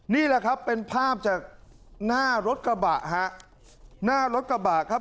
นี่แหละครับเป็นภาพจากหน้ารถกระบะฮะหน้ารถกระบะครับ